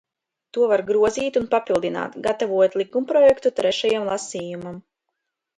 To var grozīt un papildināt, gatavojot likumprojektu trešajam lasījumam.